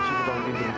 sumpah mungkin berhenti